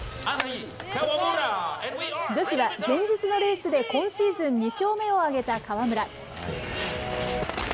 女子は前日のレースで今シーズン２勝目を挙げた川村。